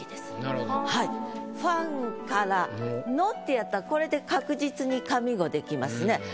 「ファンからの」ってやったらこれで確実に上五できますね。